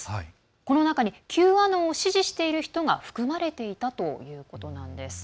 この中にＱアノンを支持している人が含まれていたということなんです。